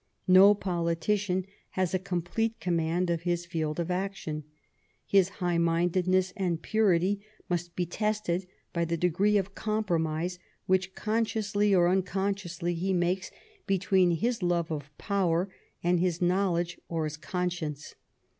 No politician has a complete command of his field of action ; his high mindedness and purity must be tested by the degree of compromise which consciously or unconsciously he makes between his love of power and his knowledge or his conscience.